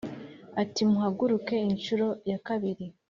ati:” muhaguruke inshuro ya kabiri